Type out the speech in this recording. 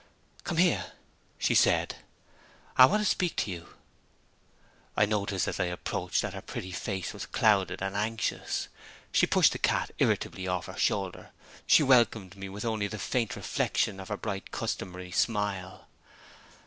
"Come here," she said; "I want to speak to you." I noticed, as I approached, that her pretty face was clouded and anxious. She pushed the cat irritably off her shoulder; she welcomed me with only the faint reflection of her bright customary smile.